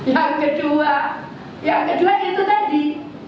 yang kedua yang kedua itu tadi